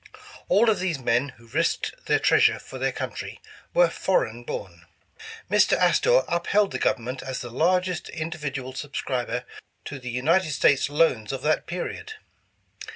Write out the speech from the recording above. '' All of these men who risked their treasure for their country were foreign born. Mr. Astor upheld the Government as the largest individual subscriber to the United States loans of that period."